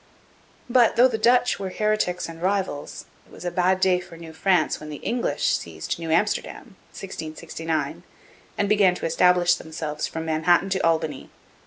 But, though the Dutch were heretics and rivals, it was a bad day for New France when the English seized New Amsterdam (1669) and began to establish themselves from Manhattan to Albany.